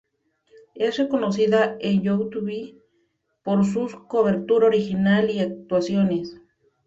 Es reconocida en Youtube por sus cobertura original y actuaciones.